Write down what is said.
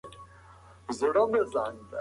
چا د شعر او شاعرۍ خبرې نه کولې.